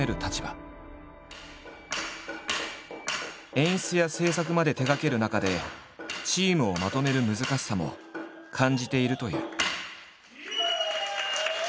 演出や制作まで手がける中でチームをまとめる難しさも感じているという。